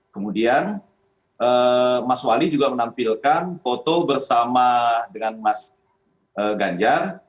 kemudian mas wali juga menampilkan foto bersama dengan mas ganjar